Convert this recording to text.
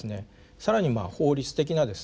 更に法律的なですね